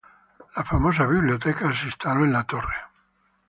La famosa Biblioteca Real se instaló en la torre.